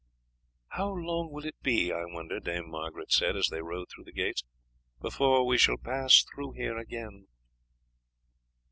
"How long will it be, I wonder," Dame Margaret said, as they rode through the gates, "before we shall pass through here again?"